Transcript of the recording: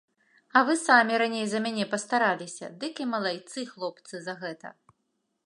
А вы самі раней за мяне пастараліся, дык і малайцы, хлопцы, за гэта.